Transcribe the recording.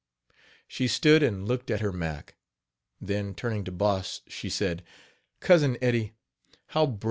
She stood and looked at her Mack; then turning to Boss, she said: "Cousin Eddie, how brave he was!